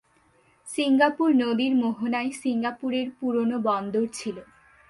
Singapore নদীর মোহনায় সিঙ্গাপুরের পুরনো বন্দর ছিল।